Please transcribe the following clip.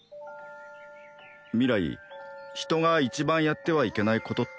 明日人が一番やってはいけないことって